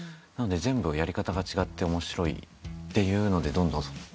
なので全部やり方が違って面白いっていうのでどんどん。